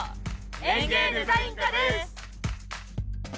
園芸デザイン科です！